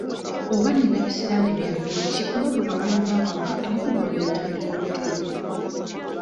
Oba nina bisiraani bya ngeri ki kuba buli lwe nva awaka enkuba nga etandika okutonnya?